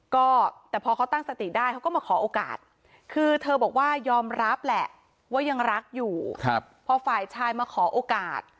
ก็แต่พอเขาตั้งสติได้เขาก็มาขอโอกาส